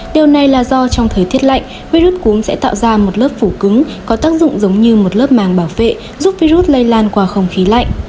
điều này là do trong thời tiết lạnh virus cúm sẽ tạo ra một lớp phủ cứng có tác dụng giống như một lớp màng bảo vệ giúp virus lây lan qua không khí lạnh